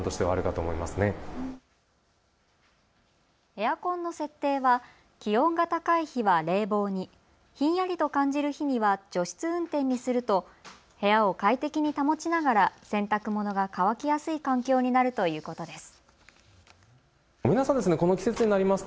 エアコンの設定は気温が高い日は冷房に、ひんやりと感じる日には除湿運転にすると部屋を快適に保ちながら洗濯物が乾きやすい環境になるということです。